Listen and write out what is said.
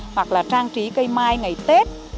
hoặc là trang trí cây mai ngày tết